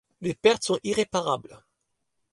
Les pertes sont irréparables.